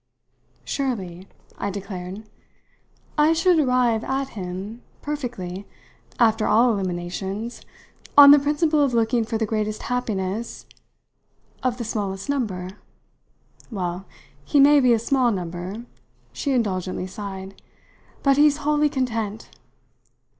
Surely!" I declared. "I should arrive at him, perfectly, after all eliminations, on the principle of looking for the greatest happiness " "Of the smallest number? Well, he may be a small number," she indulgently sighed, "but he's wholly content!